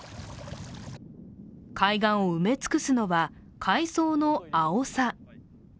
海岸を埋め尽くすのは海藻のあおさ。